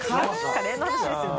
カレーの話ですよね。